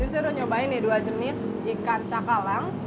saya udah nyobain nih dua jenis ikan cakalang